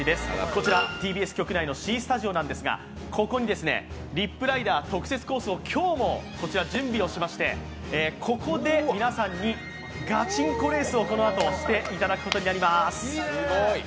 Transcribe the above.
こちら、ＴＢＳ局内のＣスタジオなんですがここにリップライダー特設コースを今日もこちら準備をしましてここで皆さんにガチンコレースをこのあとしていただきます。